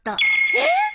えっ！？